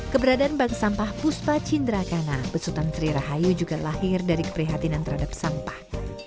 keberadaan bang sampah puspa cinderakana besutan sri rahayu juga lahir dari keprihatinan terhadap sampah